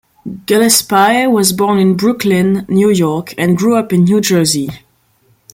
Gillespie was born in Brooklyn, New York, and grew up in New Jersey.